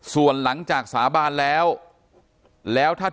ส่วนหลังจากสาบานแล้ว